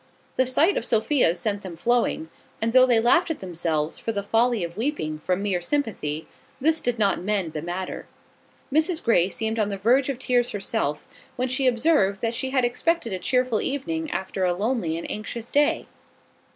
The sight of Sophia's set them flowing; and though they laughed at themselves for the folly of weeping from mere sympathy, this did not mend the matter. Mrs Grey seemed on the verge of tears herself, when she observed that she had expected a cheerful evening after a lonely and anxious day.